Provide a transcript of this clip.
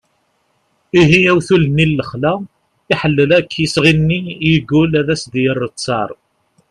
ihi awtul-nni n lexla iḥellel akk isɣi-nni yeggul ad as-d-yerr ttar